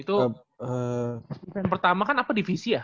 itu event pertama kan apa divisi ya